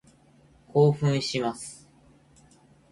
興奮します。